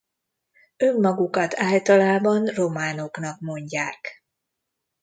Önmagukat általában románoknak mondják.